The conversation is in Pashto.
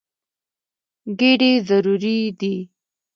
ګېډې ضروري دي.